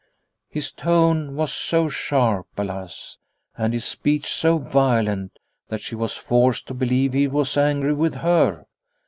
His tone was so sharp, alas ! and his speech so violent, that she was forced to believe he was angry with her.